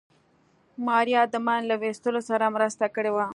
ماريا د ماين له ويستلو سره مرسته کړې وه.